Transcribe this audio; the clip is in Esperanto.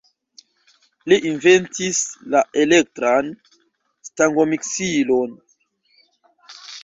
Li inventis la elektran stangomiksilon.